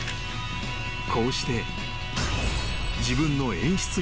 ［こうして］